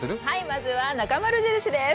まずは「なかまる印」です。